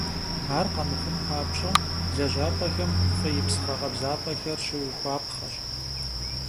Ар къэмыхъун папщӏэ, лэжьапӏэхэм фӏеипс гъэкъэбзапӏэхэр щыухуапхъэщ.